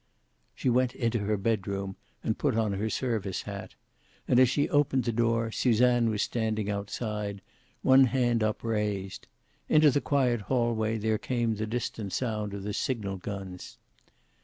She went into her bedroom and put on her service hat. And as she opened the door Suzanne was standing outside, one hand upraised. Into the quiet hallway there came the distant sound of the signal guns.